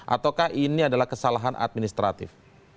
ataukah ini adalah kesalahan administratif